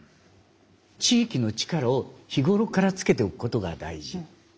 地域の力を日頃からつけておくことが大事なんですね。